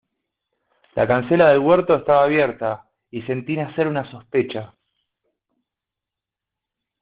la cancela del huerto estaba abierta, y sentí nacer una sospecha